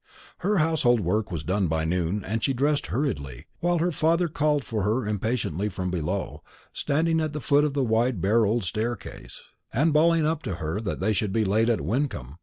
Her household work was done by noon, and she dressed hurriedly, while her father called for her impatiently from below standing at the foot of the wide bare old staircase, and bawling up to her that they should be late at Wyncomb.